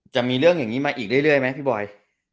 จะมีเรื่องอย่างนี้มาอีกเรื่อยไหมพี่บอย